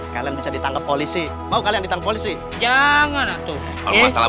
kalian bisa ditangkap polisi mau kalian ditangkap polisi jangan tuh kalau masalah